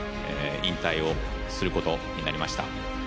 引退をすることになりました